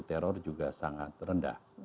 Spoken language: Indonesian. teror juga sangat rendah